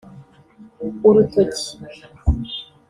urutoki